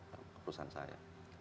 di dalam perusahaan saya